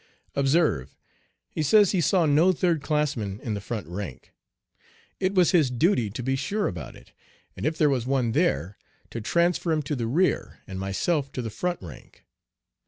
Observe, he says, he saw no third classman in the front rank. It was his duty to be sure about it, and if there was one there to transfer him to the rear, and myself to the front rank.